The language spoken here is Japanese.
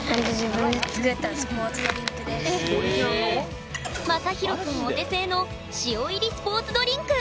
マジで⁉まさひろくんお手製の「塩」入りスポーツドリンク！